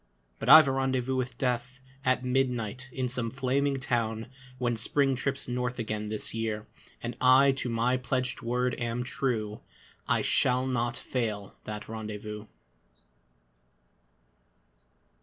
. But I've a rendezvous with Death At midnight in some flaming town, When Spring trips north again this year, And I to my pledged word am true, I shall not fail that rendezvous.